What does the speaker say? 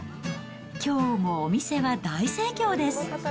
きょうもお店は大盛況です。